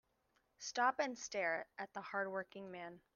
Stop and stare at the hard working man.